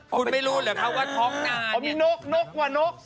คุณไม่รู้เหรอคะว่าท้องนาเนี่ยอ๋อมีนกนกว่านก